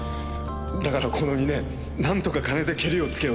だからこの２年なんとか金でケリをつけようとした。